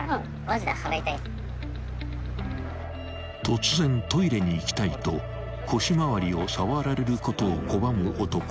［突然「トイレに行きたい」と腰回りを触られることを拒む男］